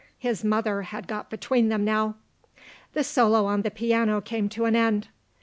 His mother had got between them now. The solo on the piano came to an end.